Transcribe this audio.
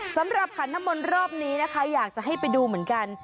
ขันน้ำมนต์รอบนี้นะคะอยากจะให้ไปดูเหมือนกัน